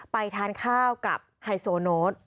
ไปทานข้าวกับไฮโซโน้ต